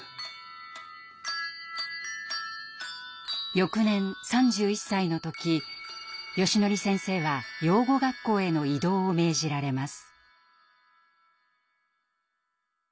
翌年３１歳の時よしのり先生は養護学校への異動を命じられます。